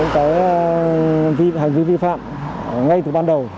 hành vi vi phạm ngay từ ban đầu